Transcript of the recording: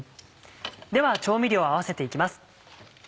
では調味料を合わせて行きます。